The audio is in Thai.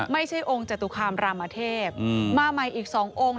ไม่ใช่องค์จตุคามรามเทพมาใหม่อีก๒องค์